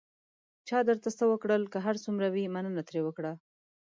چا درته څه وکړل، که هر څومره وي، مننه ترې وکړه.